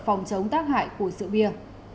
phòng chống tác hại của rượu bia